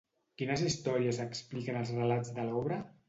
Quines històries expliquen els relats de l'obra?